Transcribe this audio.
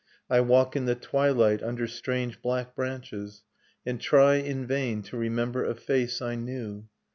I walk in the twilight, under strange black branches. And try in vain to remember a face I knew.